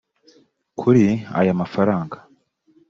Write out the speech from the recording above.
Kuri aya mafaranga